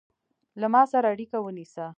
له ما سره اړیکه ونیسه